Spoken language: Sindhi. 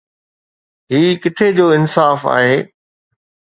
هي ڪٿي جو انصاف آهي؟